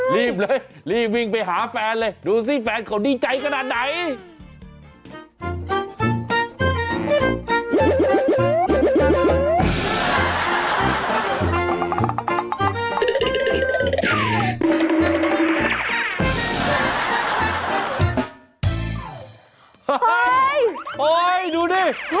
รีบเลยรีบวิ่งไปหาแฟนเลยดูสิแฟนเขาดีใจขนาดไหน